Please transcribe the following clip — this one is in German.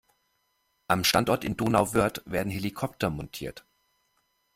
Am Standort in Donauwörth werden Helikopter montiert.